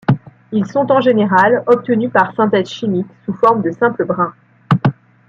Ils sont en général obtenus par synthèse chimique, sous forme de simple brin.